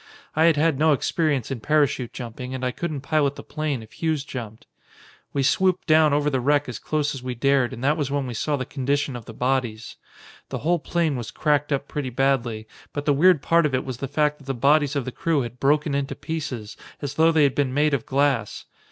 I had had no experience in parachute jumping and I couldn't pilot the plane if Hughes jumped. We swooped down over the wreck as close as we dared and that was when we saw the condition of the bodies. The whole plane was cracked up pretty badly, but the weird part of it was the fact that the bodies of the crew had broken into pieces, as though they had been made of glass.